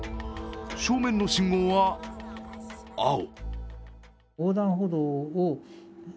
正面の信号は、青。